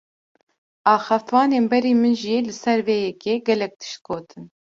Axaftvanên berî min jî li ser vê yekê, gelek tişt gotin